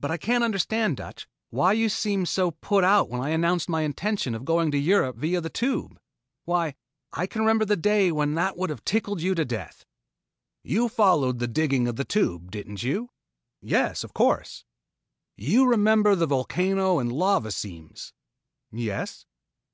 "But I can't understand, Dutch, why you seemed so put out when I announced my intention of going to Europe via the Tube. Why, I can remember the day when that would have tickled you to death." "You followed the digging of the Tube, didn't you?" "Yes, of course." "You remember the volcano and lava seams?" "Yes."